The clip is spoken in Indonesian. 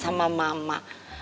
soalnya kan ketahuan sama mama